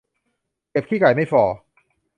เหยียบขี้ไก่ไม่ฝ่อ